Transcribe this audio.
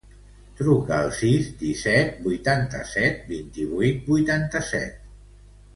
Truca al sis, disset, vuitanta-set, vint-i-vuit, vuitanta-set.